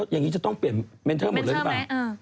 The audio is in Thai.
อย่างนี้จะต้องเปลี่ยนเมนเทอร์หมดเลยหรือเปล่า